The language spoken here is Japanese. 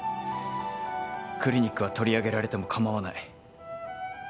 クリニックは取り上げられても構わない。